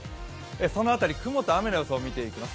その辺り、雲と雨の予想見ていきます。